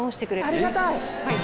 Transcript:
ありがたい！